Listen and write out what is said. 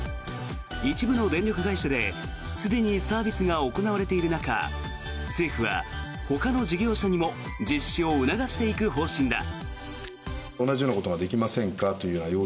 一部の電力会社ですでにサービスが行われている中政府は、ほかの事業者にも実施を促していく方針だ。